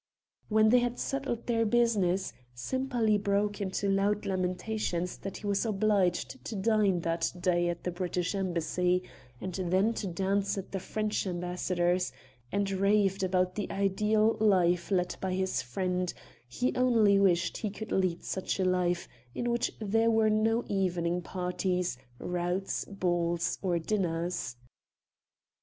When they had settled their business Sempaly broke into loud lamentations that he was obliged to dine that day at the British embassy, and then to dance at the French ambassador's, and raved about the ideal life led by his friend he only wished he could lead such a life in which there were no evening parties, routs, balls or dinners.